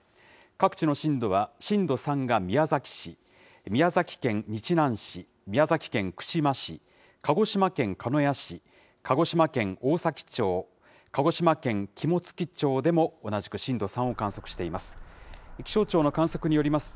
各地の震度は震度３が宮崎市、宮崎県日南市、宮崎県串間市、鹿児島県鹿屋市、鹿児島県大崎町、鹿児島県肝付町でも同じく震度３を観測しています。